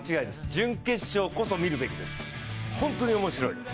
準決勝こそ見るべきです、本当に面白い。